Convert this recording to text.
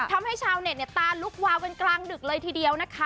ทำให้ชาวเน็ตตาลุกวาวกันกลางดึกเลยทีเดียวนะคะ